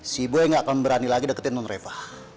si boy gak akan berani lagi deketin nonrepa